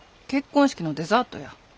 結婚式のデザートや。